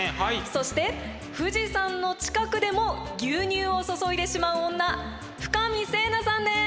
そして富士山の近くでも牛乳を注いでしまう女深見星奈さんです！